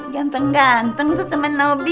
ganteng ganteng tuh temen nobi